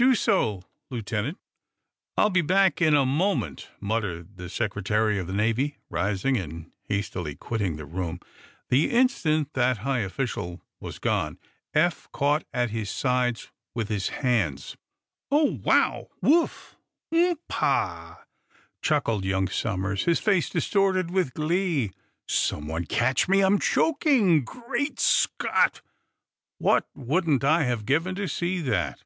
"Do so, Lieutenant." "I will be back in a moment," muttered the Secretary of the Navy, rising, and hastily quitting the room. The instant that high official was gone Eph caught at his sides with his hands. "Oh, wow! Woof! Umpah!" chuckled young Somers, his face distorted with glee. "Some one catch me! I'm choking! Great Scott, what wouldn't I have given to see that?